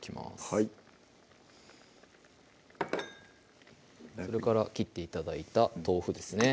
はいそれから切って頂いた豆腐ですね